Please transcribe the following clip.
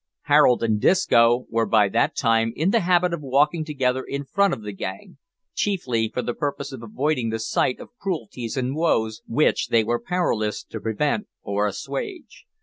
Harold and Disco were by that time in the habit of walking together in front of the gang, chiefly for the purpose of avoiding the sight of cruelties and woes which they were powerless to prevent or assuage.